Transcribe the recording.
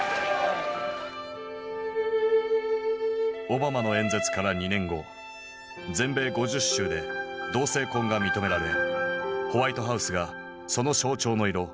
オバマの演説から２年後全米５０州で同性婚が認められホワイトハウスがその象徴の色